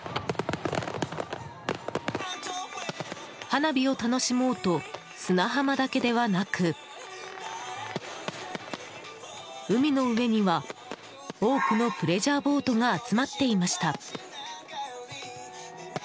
花火を楽しもうと砂浜だけではなく、海の上には多くのプレジャーボートが集まっていました。